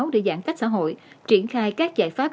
để giãn cách xã hội triển khai các giải pháp